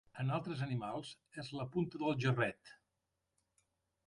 En altres animals, és la punta del jarret.